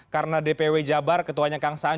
karena dpw jabar ketuanya kang saan